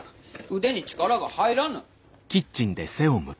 腕に力が入らぬ。